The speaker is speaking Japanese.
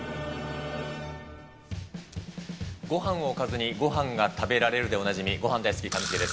ごはんをおかずにごはんが食べられるでおなじみ、ごはん大好き上重です。